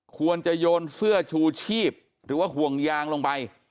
ควรจะโยนเสื้อชูชีพหรือว่าห่วงยางลงไป